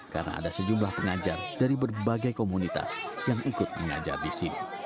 karena ada sejumlah pengajar dari berbagai komunitas yang ikut mengajar di sini